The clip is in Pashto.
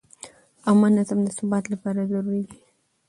عامه نظم د ثبات لپاره ضروري دی.